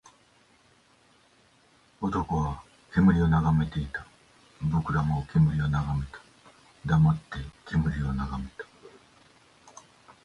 男は煙を眺めていた。僕らも煙を眺めた。黙って煙を眺めた。